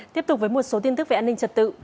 tiếp tục với một số tin tức về an ninh trật tự